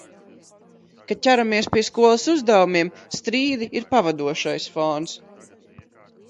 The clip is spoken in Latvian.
Kad ķeramies pie skolas uzdevumiem, strīdi ir pavadošais fons...